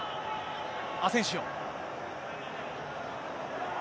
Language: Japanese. アセンシオ。